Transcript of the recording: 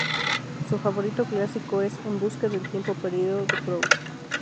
Su favorito clásico es "En busca del tiempo perdido", de Proust.